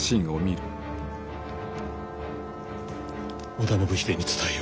織田信秀に伝えよ。